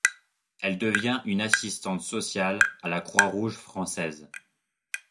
Elle devient une assistante sociale à la Croix rouge française.